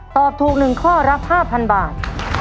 ตอบถูกหนึ่งข้อรับ๕๐๐๐บาท